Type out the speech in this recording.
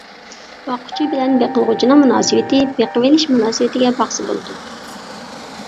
باققۇچى بىلەن بېقىلغۇچىنىڭ مۇناسىۋىتى بېقىۋېلىش مۇناسىۋىتىگە باقسا بولىدۇ.